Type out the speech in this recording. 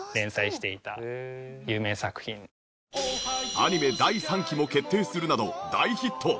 アニメ第３期も決定するなど大ヒット。